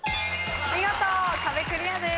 見事壁クリアです。